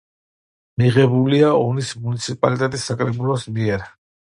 მიღებულია ონის მუნიციპალიტეტის საკრებულოს მიერ.